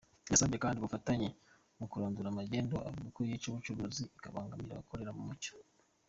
Yasabye kandi ubufatanye mu kurandura magendu avuga ko yica ubucuruzi ikabangamira abakorera mu mucyo.